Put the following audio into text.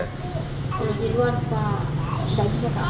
kalau di luar pak gak bisa kakak